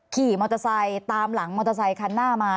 ขี่มอเตอร์ไซค์ตามหลังมอเตอร์ไซคันหน้ามา